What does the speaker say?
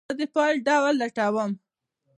زه د فایل ډول لټوم.